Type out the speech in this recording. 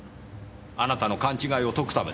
あなたの勘違いを解くためです。